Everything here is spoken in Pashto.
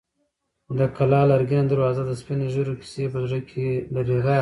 د کلا لرګینه دروازه د سپین ږیرو کیسې په زړه کې لري.